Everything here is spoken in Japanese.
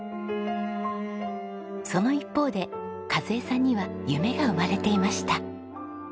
その一方で和枝さんには夢が生まれていました。